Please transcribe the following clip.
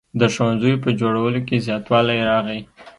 د ښوونځیو په جوړولو کې زیاتوالی راغی.